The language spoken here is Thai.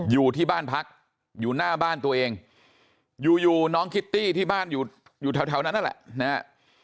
อยู่ที่บ้านพักอยู่หน้าบ้านตัวเองอยู่อยู่น้องคิตตี้ที่บ้านอยู่แถวนั้นนั่นแหละนะฮะ